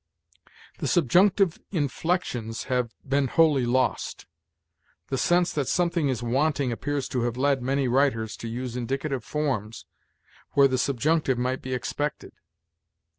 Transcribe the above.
"The subjunctive inflexions have been wholly lost. The sense that something is wanting appears to have led many writers to use indicative forms where the subjunctive might be expected.